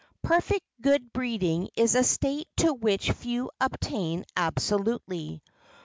Perfect good breeding is a state to which few attain absolutely.